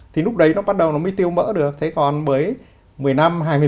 thì lúc đấy nó bắt đầu nó mới tiêu mỡ được thế còn mới